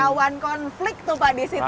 lawan konflik tuh pak disitu pak